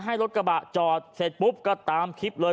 ให้รถกระบะจอดเสร็จปุ๊บก็ตามคลิปเลย